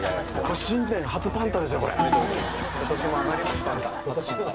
新年初パンタですよ、これ。